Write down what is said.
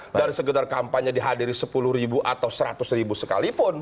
bukan dari sekedar kampanye dihadiri sepuluh ribu atau seratus ribu sekalipun